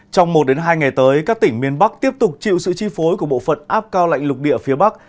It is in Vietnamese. trong một hai ngày tới các tỉnh miền bắc tiếp tục chịu sự chi phối của bộ phận áp cao lạnh lục địa phía bắc